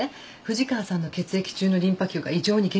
藤川さんの血液中のリンパ球が異常に減少してたの。